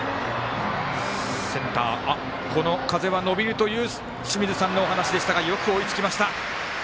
風は伸びるという清水さんのお話でしたがよく追いつきました。